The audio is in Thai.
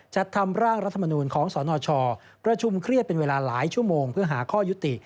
จัดทำร่างรัฐมนูลของสนชประชุมเครียดเป็นเวลาหลายชั่วโมงเพื่อหาข้อยุติ